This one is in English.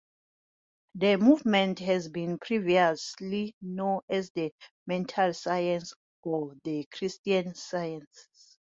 The movement had been previously known as the Mental Sciences or the Christian Sciences.